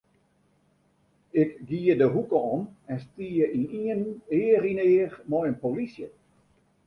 Ik gie de hoeke om en stie ynienen each yn each mei in polysje.